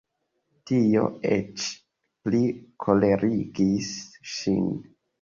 Tio eĉ pli kolerigis ŝin.